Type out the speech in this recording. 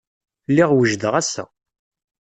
Lliɣ wejdeɣ assa.